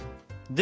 で？